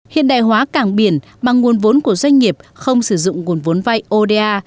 hiện đại hóa cảng biển bằng nguồn vốn của doanh nghiệp không sử dụng nguồn vốn vay oda